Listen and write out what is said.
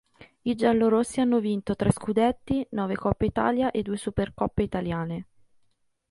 I Giallorossi hanno vinto tre scudetti, nove Coppe Italia e due Supercoppe italiane.